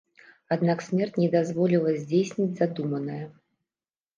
Аднак смерць не дазволіла здзейсніць задуманае.